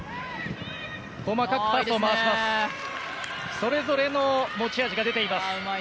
それぞれの持ち味が出ています。